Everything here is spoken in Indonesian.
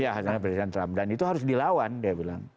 iya hasilnya presiden trump dan itu harus dilawan dia bilang